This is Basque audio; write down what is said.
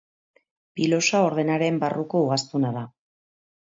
Pilosa ordenaren barruko ugaztuna da.